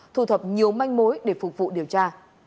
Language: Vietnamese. thu thập nhiều manh mối để phục vụ điều tra